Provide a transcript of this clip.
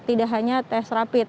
tidak hanya tes rapid